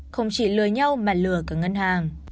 không chỉ lừa nhau mà lừa cả ngân hàng